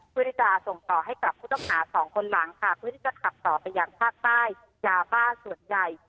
เพื่อที่จะส่งต่อให้กับผู้ต้องหาสองคนหลังค่ะเพื่อที่จะขับต่อไปยังภาคใต้ยาบ้าส่วนใหญ่